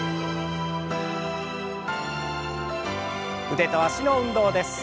腕と脚の運動です。